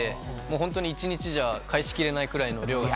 本当に１日では返しきれないぐらいの量で。